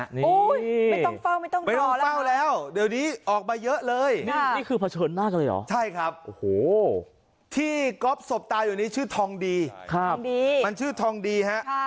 นี่ไม่ต้องเฝ้าไม่ต้องรอไม่ต้องเฝ้าแล้วเดี๋ยวนี้ออกมาเยอะเลยนี่คือเผชิญมากเลยเหรอใช่ครับโอ้โหที่ก๊อฟสบตาอยู่นี้ชื่อทองดีมันชื่อทองดีฮะ